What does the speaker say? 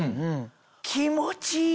気持ちいい。